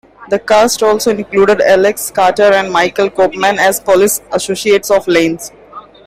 The cast also included Alex Carter and Michael Copeman as police associates of Lane's.